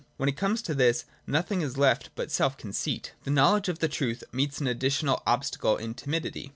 When it comes to this, nothing is left but self conceit. The knowledge of the truth meets an additional obstacle in timidity.